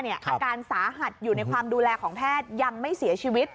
อาการสาหัสอยู่ในความดูแลของแพทย์ยังไม่เสียชีวิต